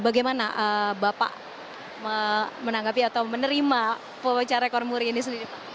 bagaimana bapak menanggapi atau menerima pewacara rekor muri ini sendiri pak